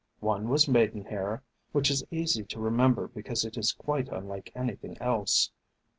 One was Maidenhair, which is easy to remember because it is quite unlike anything else.